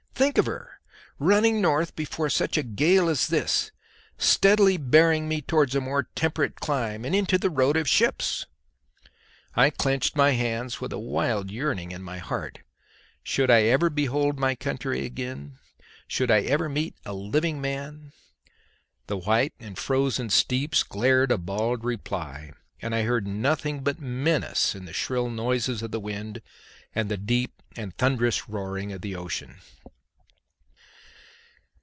Think of her running north before such a gale as this, steadily bearing me towards a more temperate clime, and into the road of ships!" I clenched my hands with a wild yearning in my heart. Should I ever behold my country again? should I ever meet a living man? The white and frozen steeps glared a bald reply; and I heard nothing but menace in the shrill noises of the wind and the deep and thunderous roaring of the ocean.